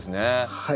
はい。